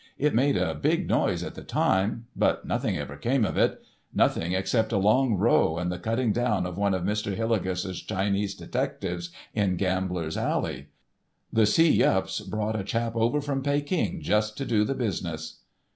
"It made a big noise at the time, but nothing ever came of it—nothing except a long row and the cutting down of one of Mr. Hillegas's Chinese detectives in Gambler's Alley. The See Yups brought a chap over from Peking just to do the business."